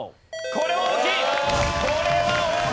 これは大きいです。